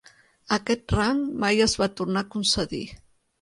Aquest rang mai es va tornar a concedir.